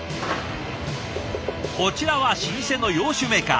こちらは老舗の洋酒メーカー。